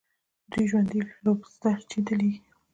دوی ژوندي لوبسټر چین ته لیږي.